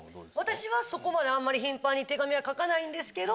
私はそこまで頻繁に手紙は書かないんですけど。